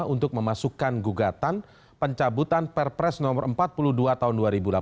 untuk memasukkan gugatan pencabutan perpres no empat puluh dua tahun dua ribu delapan belas